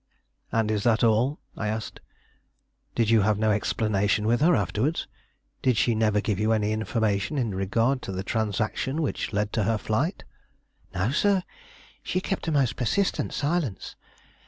"And is that all?" I asked. "Did you have no explanation with her afterwards? Did she never give you any information in regard to the transactions which led to her flight?" "No, sir. She kept a most persistent silence.